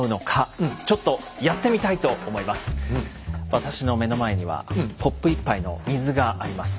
私の目の前にはコップ１杯の水があります。